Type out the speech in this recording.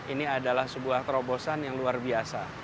ini adalah sebuah terobosan yang luar biasa